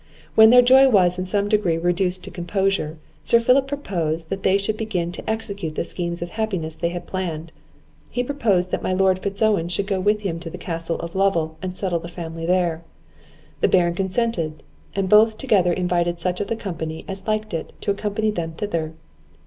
When their joy was in some degree reduced to composure, Sir Philip proposed that they should begin to execute the schemes of happiness they had planned. He proposed that my Lord Fitz Owen should go with him to the Castle of Lovel, and settle the family there. The Baron consented; and both together invited such of the company, as liked it, to accompany them thither.